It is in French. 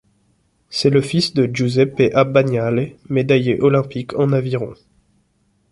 C’est le fils de Giuseppe Abbagnale, médaillé olympique en aviron.